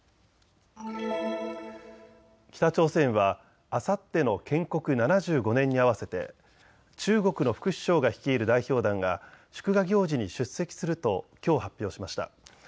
北朝鮮はあさっての建国７５年に合わせて中国の副首相が率いる代表団が祝賀行事に出席するときょう発表しました。